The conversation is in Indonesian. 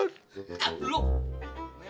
kalau air buaya